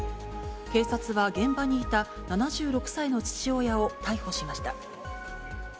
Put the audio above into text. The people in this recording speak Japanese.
警察は現場にいた７６歳の父親を逮捕しました。